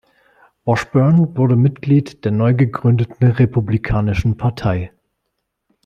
Washburn wurde Mitglied der neugegründeten Republikanischen Partei.